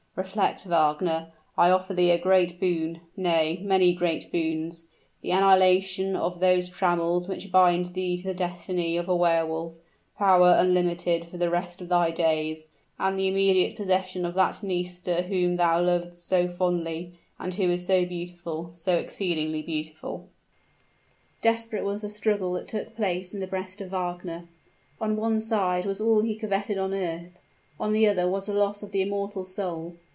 Reflect, Wagner I offer thee a great boon nay, many great boons: the annihilation of those trammels which bind thee to the destiny of a wehr wolf, power unlimited for the rest of thy days, and the immediate possession of that Nisida whom thou lovest so fondly, and who is so beautiful, so exceedingly beautiful." Desperate was the struggle that took place in the breast of Wagner. On one side was all he coveted on earth; on the other was the loss of the immortal soul.